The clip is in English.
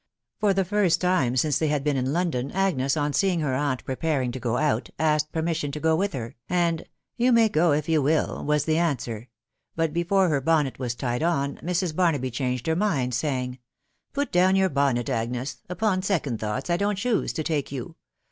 For the first time since they had been in London, Agnes, on seeing her aunt preparing to go out, asked permission to go with her, and " You may go if you will," was the answer ; but before her bonnet was tied on, Mrs. Barnaby changed her mind, saying, " Put down your bonnet, Agnes .... upon second thoughts I don't choose to take you.